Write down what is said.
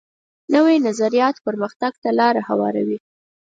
نوی نظریات پرمختګ ته لار هواروي